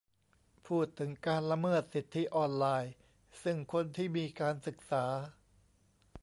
พูดถึงการละเมิดสิทธิออนไลน์ ซึ่งคนที่มีการศึกษา